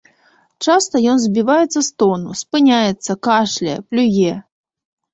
Часта ён збіваецца з тону, спыняецца, кашляе, плюе.